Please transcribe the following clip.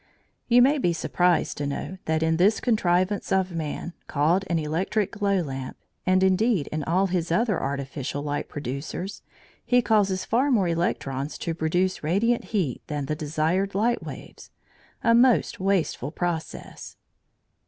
You may be surprised to know that in this contrivance of man, called an electric glow lamp, and, indeed, in all his other artificial light producers, he causes far more electrons to produce radiant heat than the desired light waves. A most wasteful process!